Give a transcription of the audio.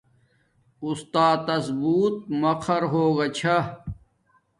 اُسات تس بوت مخر ہوگا شھا